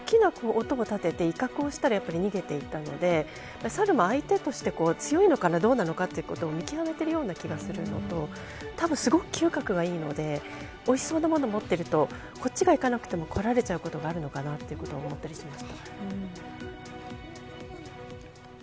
大きな音を立てて威嚇したら逃げていったのでサルも、相手として強いのかなということを見極めているような気がするのとすごく嗅覚はいいんでおいしそうのものを持っているとこっちが行かなくても来られちゃうことがあるのかなと思います。